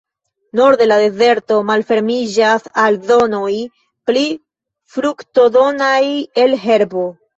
Norde, la dezerto malfermiĝas al zonoj pli fruktodonaj el herbo.